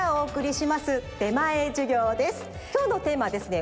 きょうのテーマはですね